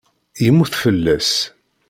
Yemmut fell-as.